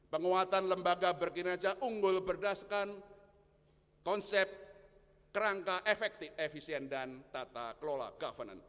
penguatan lembaga berkinanja unggul berdasarkan konsep kerangka efektif efisien dan tata kelola governance